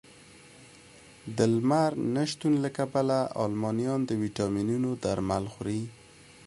د لمر نه شتون له کبله المانیان د ویټامینونو درمل خوري